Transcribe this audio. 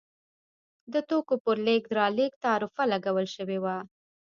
د توکو پر لېږد رالېږد تعرفه لګول شوې وه.